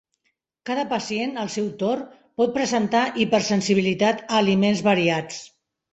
Cada pacient, al seu torn, pot presentar hipersensibilitat a aliments variats.